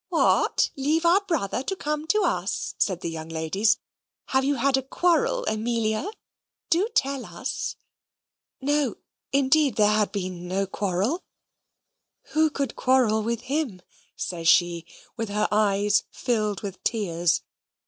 "What! leave our brother to come to us?" said the young ladies. "Have you had a quarrel, Amelia? Do tell us!" No, indeed, there had been no quarrel. "Who could quarrel with him?" says she, with her eyes filled with tears.